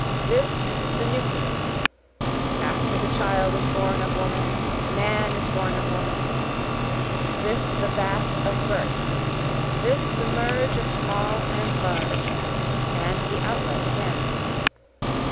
This the nucleus after the child is born of woman, man is born of woman, This the bath of birth, this the merge of small and large, and the outlet again.